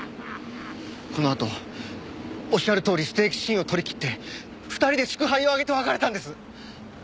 このあとおっしゃるとおりステーキシーンを撮りきって２人で祝杯を挙げて別れたんです。